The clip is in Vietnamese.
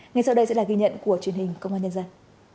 ngay sau đây sẽ là ghi nhận của truyền hình công an nhân dân